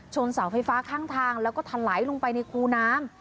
เสาไฟฟ้าข้างทางแล้วก็ทะไหลลงไปในคูน้ำ